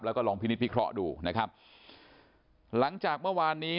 แล้วก็ลองพินิษพิเคราะห์ดูนะครับหลังจากเมื่อวานนี้